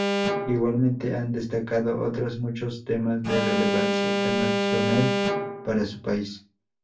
Igualmente han destacado otros muchos temas de relevancia internacional para su país.